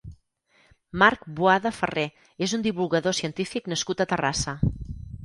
Marc Boada Ferrer és un divulgador científic nascut a Terrassa.